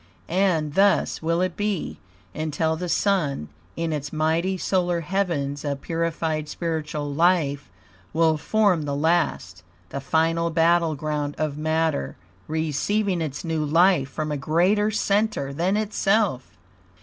And thus will it be, until the Sun, in its mighty solar heavens of purified spiritual life, will form the last, the final battle ground of matter, receiving ITS NEW LIFE FROM A GREATER CENTER THAN ITSELF.